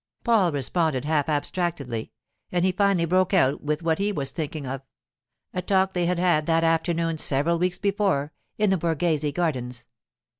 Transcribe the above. Paul responded half abstractedly, and he finally broke out with what he was thinking of: a talk they had had that afternoon several weeks before in the Borghese gardens.